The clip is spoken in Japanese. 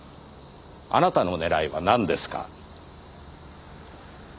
あなたの狙いはなんですか？